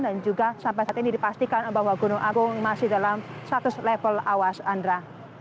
dan juga sampai saat ini dipastikan bahwa gunung agung masih dalam status level awas andra